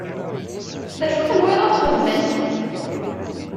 D acu tenwiḍ ad xedment?